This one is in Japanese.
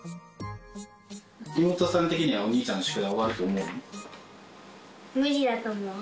妹さん的にはお兄ちゃんの宿無理だと思う。